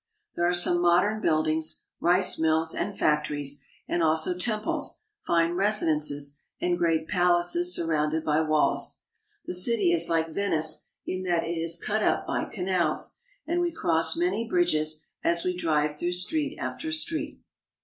There are some modern buildings, rice mills, and factories, and also temples, fine residences, and great palaces surrounded by walls. The city is like Venice in that it is cut up by canals, and we cross many bridges as we drive through street after street.